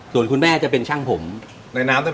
เจ้าเก่าแก่ของย่านบางพัด